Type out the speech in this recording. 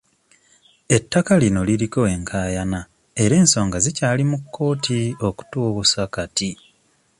Ettaka lino liriko enkaayana era ensonga zikyali mu Kkooti okutuusa kati.